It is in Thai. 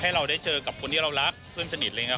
เราได้เจอกับคนที่เรารักเพื่อนสนิทอะไรอย่างนี้